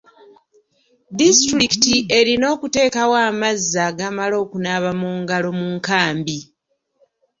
Disitulikiti erina okuteekawo amazzi agamala okunaaba mu ngalo mu nkambi.